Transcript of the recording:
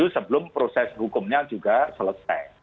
sebelum proses hukumnya juga selesai